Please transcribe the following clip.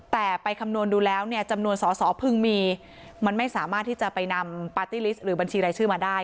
แต่ไปคำนวณดูแล้วจำนวนเสาเพิ่งมีมันไม่สามารถที่จะไปนำหรือบัญชีรายชื่อมาได้